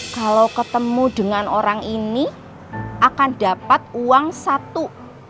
kalau ketemu dengan orang ini akan dapat uang satu